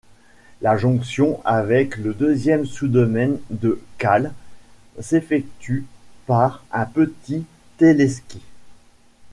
La jonction avec le deuxième sous-domaine de Kals s'effectue par un petit téléski.